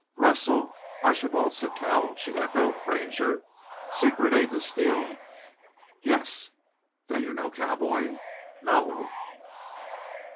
"Russ ell Archi bald Sittell," she echoed. "Ranger! Secret aid to Steele!" "Yes." "Then you're no cowboy?" "No."